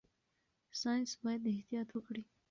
ساينس باید احتیاط وکړي.